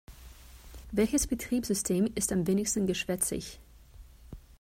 Welches Betriebssystem ist am wenigsten geschwätzig?